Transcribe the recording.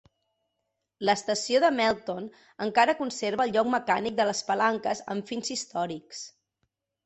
L'estació de Melton encara conserva el lloc mecànic de les palanques amb fins històrics.